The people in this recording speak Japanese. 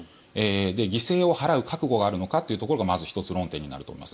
犠牲を払う覚悟があるのかというところがまず１つ論点になると思います。